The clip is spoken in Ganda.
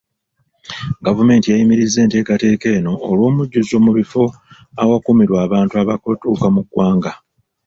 Gavumenti yayimiriza enteekateeka eno olw'omujjuzo mu bifo awakuumirwa abantu abaakatuuka mu ggwanga.